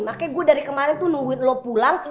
makanya gue dari kemarin tuh nungguin lo pulang